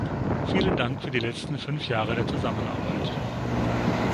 Vielen Dank für die letzten fünf Jahre der Zusammenarbeit.